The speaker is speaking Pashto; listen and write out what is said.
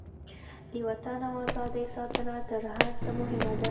د وطن او ازادۍ ساتنه تر هر څه مهمه ده.